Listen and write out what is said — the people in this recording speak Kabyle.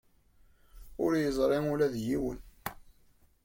Ur yeẓri ula d yiwen?